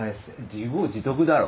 自業自得だろ。